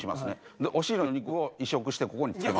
でお尻の肉を移植してここにつけます。